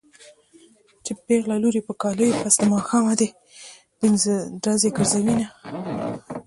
چې پېغله لور يې په کاله وي پس د ماښامه دې پنځډزی ګرځوينه